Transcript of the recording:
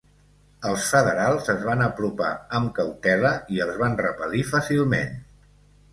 Els federals es van apropar amb cautela i els van repel·lir fàcilment.